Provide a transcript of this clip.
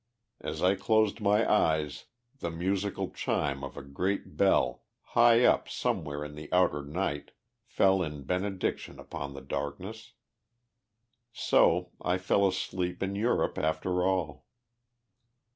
As I closed my eyes, the musical chime of a great bell, high up somewhere in the outer night, fell in benediction upon the darkness. So I fell asleep in Europe, after all.